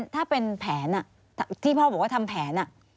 ถ้าเป็นแผนที่พ่อบอกว่าทำแผน